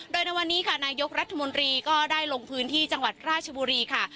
โดยในวันนี้ค่ะนายกรัฐมนตรีก็ได้ลงพื้นที่จังหวัดราชบุรีค่ะ